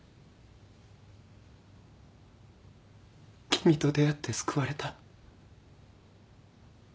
君と出会って救われた。